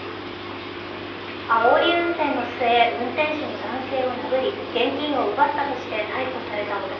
あおり運転の末運転手の男性を殴り、現金を奪ったとして逮捕された男。